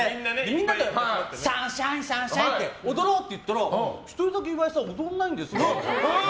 みんなで、サンシャインサンシャインって踊ろうって言ったら１人だけ岩井さん踊らないんです。